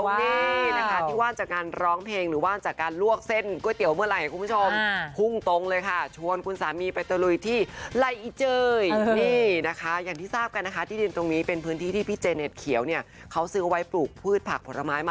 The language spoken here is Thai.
ที่ว่างจากงานร้องเพลงหรือว่างจากงานลวกเส้นก๋วยเตี๋ยวเมือไหล่ของคุณผู้ชม